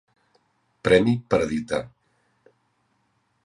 Premi per a editar.